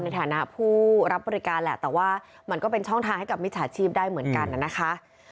ในฐานะผู้รับบริการแหละแต่ว่ามันก็เป็นช่องทางให้กับมิจฉาชีพได้เหมือนกันนะคะ